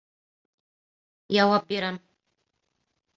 Яуап бирәм.